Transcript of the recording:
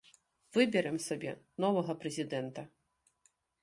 Выбярэм сабе новага прэзідэнта!